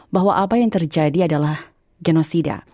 bahwa apa yang terjadi adalah genosida